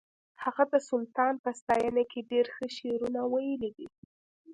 هغه د سلطان په ستاینه کې ډېر ښه شعرونه ویلي دي